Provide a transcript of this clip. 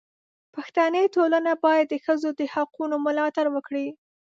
پښتني ټولنه باید د ښځو د حقونو ملاتړ وکړي.